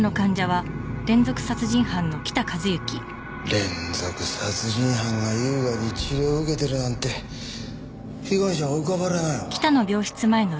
連続殺人犯が優雅に治療を受けてるなんて被害者が浮かばれないよな。